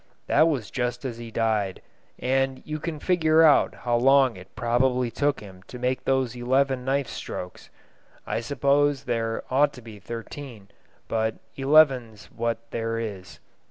That was just as he died, and you can figure out how long it prob'bly took him to make those eleven knife strokes. I suppose there ought to be thirteen, but eleven's what there is.